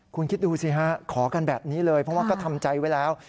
คุณคิดดูสิฮะขอกันแบบนี้เลยเพราะว่าก็ทำใจไว้แล้ว